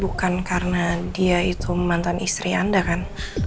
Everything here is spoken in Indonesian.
bukan karena dia itu mantan istri anda kan